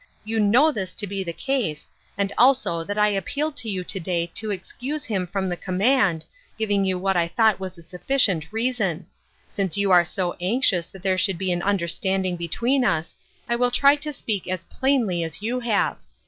You know this to be the case, and also that I appealed to you to day to excuse him from the command, giving you what I thought was a sufficient reason. Since you are so anxious COMING TO AN UNDERSTANDING. 117 that there should be an understanding between us, I will try to speak as plainly as you have.